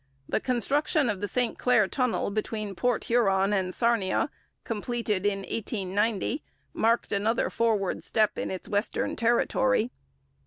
The construction of the St Clair tunnel between Port Huron and Sarnia, completed in 1890, marked another forward step in its western territory.